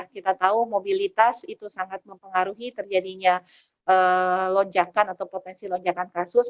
kita tahu mobilitas itu sangat mempengaruhi terjadinya lonjakan atau potensi lonjakan kasus